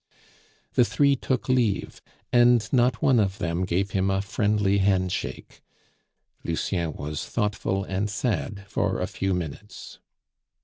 The three took leave, and not one of them gave him a friendly handshake. Lucien was thoughtful and sad for a few minutes.